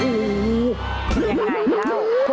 อย่างไรครับ